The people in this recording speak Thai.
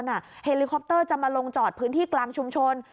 เฮลิคอปเตอร์จะมาลงจอดพื้นที่กลางชุมชน